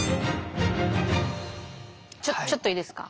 ちょちょっといいですか？